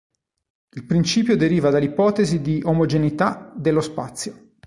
Il principio deriva dall'ipotesi di omogeneità dello spazio.